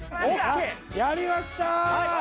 やりました！